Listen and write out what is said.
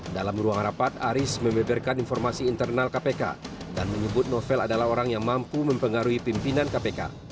dalam ruang rapat aris membeberkan informasi internal kpk dan menyebut novel adalah orang yang mampu mempengaruhi pimpinan kpk